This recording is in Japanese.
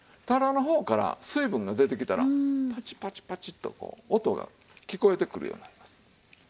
タラの方から水分が出てきたらパチパチパチとこう音が聞こえてくるようになります。